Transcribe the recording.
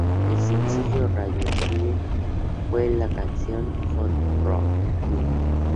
El sencillo "Radioactive" fue la "Canción Hot Rock No.